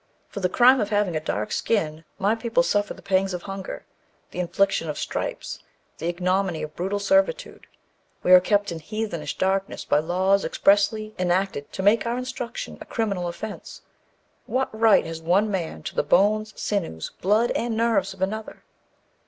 For the crime of having a dark skin, my people suffer the pangs of hunger, the infliction of stripes, and the ignominy of brutal servitude. We are kept in heathenish darkness by laws expressly enacted to make our instruction a criminal offence. What right has one man to the bones, sinews, blood, and nerves of another?